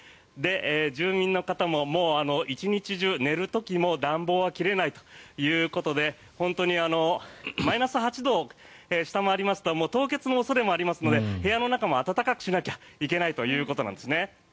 住民の方も一日中寝る時も暖房は切れないということで本当にマイナス８度を下回りますと凍結の恐れもありますので部屋の中も暖かくしなきゃいけないということなんですね。